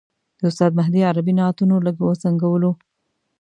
د استاد مهدي عربي نعتونو لږ وځنګولو.